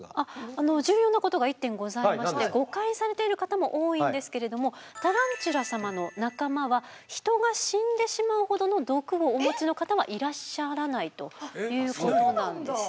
あの重要なことが１点ございまして誤解されている方も多いんですけれどもタランチュラ様の仲間はヒトが死んでしまうほどの毒をお持ちの方はいらっしゃらないということなんですね。